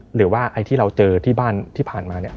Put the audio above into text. หรือว่าไอ้ที่เราเจอที่บ้านที่ผ่านมาเนี่ย